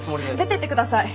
出てってください。